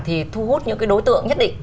thì thu hút những cái đối tượng nhất định